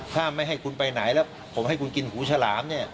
ถ้าไม่ให้คุณไปไหนแล้วผมให้คุณกินหูฉลามเนี่ย